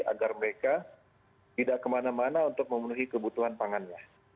agar mereka tidak kemana mana untuk memenuhi kebutuhan pangannya